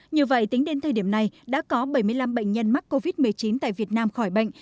như vậy tính đến thời điểm này đã có bảy mươi năm bệnh nhân mắc covid một mươi chín tại việt nam khỏi bệnh